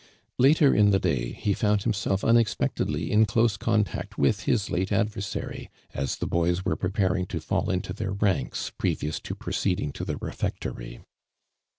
Later in tho diiy lie found himself unex Itectedly in dose contact with his lute ad vcrsary, as the boys were preparing to fall into their ranks, previous to proceeding to tho refectory.